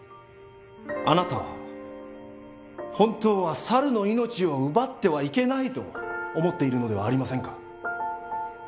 あなたは本当は猿の命を奪ってはいけないと思っているのではありませんか？